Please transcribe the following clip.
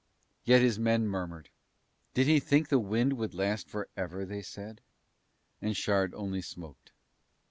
Yet his men murmured. Did he think the wind would last for ever, they said. And Shard only smoked.